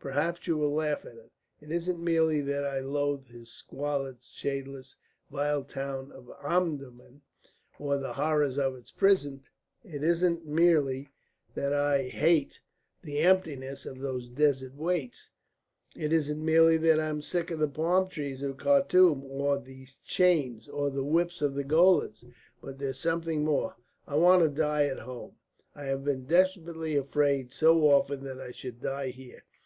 Perhaps you will laugh at it. It isn't merely that I loathe this squalid, shadeless, vile town of Omdurman, or the horrors of its prison. It isn't merely that I hate the emptiness of those desert wastes. It isn't merely that I am sick of the palm trees of Khartum, or these chains or the whips of the gaolers. But there's something more. I want to die at home, and I have been desperately afraid so often that I should die here.